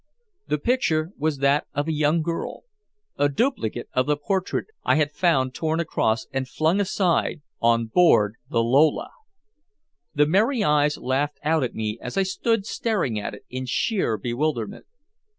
The picture was that of a young girl a duplicate of the portrait I had found torn across and flung aside on board the Lola! The merry eyes laughed out at me as I stood staring at it in sheer bewilderment.